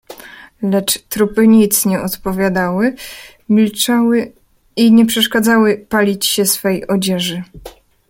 "Lecz trupy nic nie odpowiadały, milczały i nie przeszkadzały palić się swej odzieży."